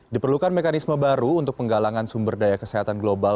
diperlukan mekanisme baru untuk penggalangan sumber daya kesehatan global